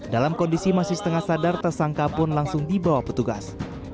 dalam kondisi masih setengah sadar tersangka pun langsung dibawa petugas